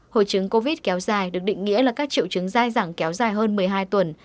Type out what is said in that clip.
hội chứng covid kéo dài được định nghĩa là các triệu chứng dai dẳng kéo dài hơn một mươi hai tuần